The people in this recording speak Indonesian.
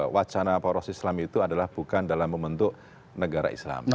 wacana poros islam itu adalah bukan dalam membentuk negara islam